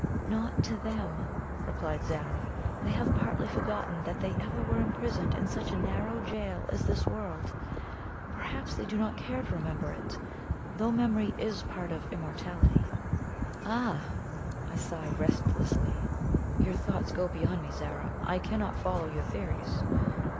"Not to them," replied Zara; "they have partly forgotten that they ever were imprisoned in such a narrow gaol as this world. Perhaps they do not care to remember it, though memory is part of immortality." "Ah!" I sighed restlessly; "your thoughts go beyond me, Zara. I cannot follow your theories."